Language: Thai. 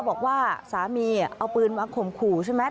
บอกว่าสามีเอาปืนมาข่มขู่ใช่ไหม